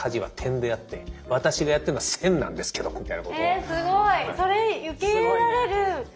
えっすごい。